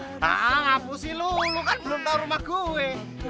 ngapusin lo lo kan belum tau rumah gue